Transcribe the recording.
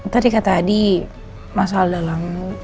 tadi kata adi masalah dalam